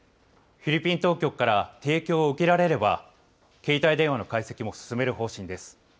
フィリピン当局から提供を受けられれば、携帯電話の解析も進める方針です。